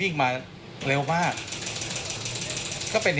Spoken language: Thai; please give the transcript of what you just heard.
นี่ค่ะคุณผู้ชมพอเราคุยกับเพื่อนบ้านเสร็จแล้วนะน้า